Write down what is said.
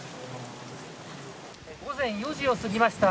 午前４時を過ぎました。